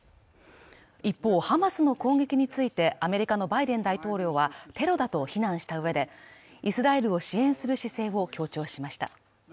一方、ハマスの攻撃についてアメリカのバイデン大統領は、テロだと非難したうえで、イスラエルを支援する姿勢を強調しました。